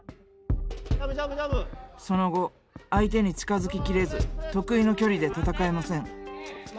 その後相手に近づき切れず得意の距離で戦えません。